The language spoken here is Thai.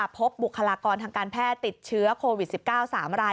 บุคลากรทางการแพทย์ติดเชื้อโควิด๑๙๓ราย